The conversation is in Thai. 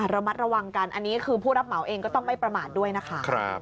ระมัดระวังกันอันนี้คือผู้รับเหมาเองก็ต้องไม่ประมาทด้วยนะคะ